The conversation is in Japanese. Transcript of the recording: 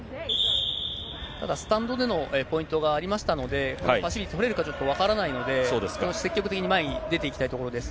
ただ、スタンドでのポイントがありましたので、パッシビティ取れるか、ちょっと分からないので、積極的に前に出ていきたいところです。